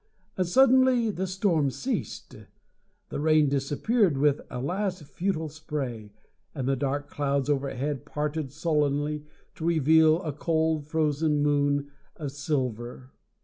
And suddenly the storm ceased. The rain disappeared with a last futile spray, and the dark clouds overhead parted sullenly to reveal a cold frozen moon of silver.